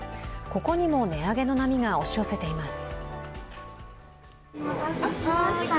ここにも値上げの波が押し寄せています。